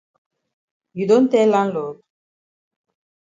You don tell landlord?